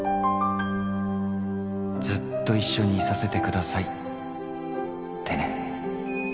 「ずっと一緒にいさせて下さい」ってね。